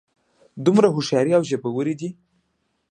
دومره هوښیارې او ژبورې دي.